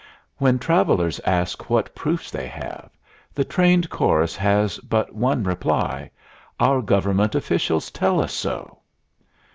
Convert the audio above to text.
When travelers ask what proofs they have, the trained chorus has but one reply: "Our government officials tell us so."